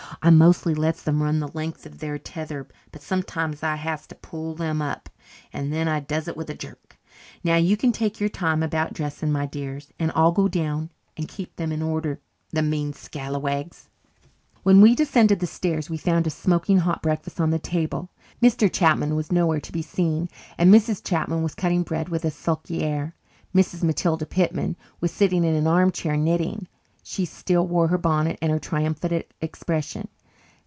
"I mostly lets them run the length of their tether but sometimes I has to pull them up, and then I does it with a jerk. Now, you can take your time about dressing, my dears, and I'll go down and keep them in order, the mean scalawags." When we descended the stairs we found a smoking hot breakfast on the table. Mr. Chapman was nowhere to be seen, and Mrs. Chapman was cutting bread with a sulky air. Mrs. Matilda Pitman was sitting in an armchair, knitting. She still wore her bonnet and her triumphant expression.